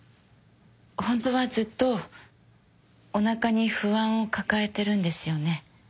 ホントはずっとおなかに不安を抱えてるんですよね？